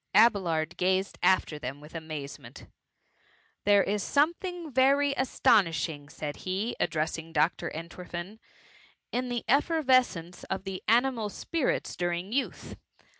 Abelard gazed after them with amazement :" There is something very astonishing,'' said he, addressing Dr. Entwerfen, ^* in the efferves* oence of the animal spirits during youth.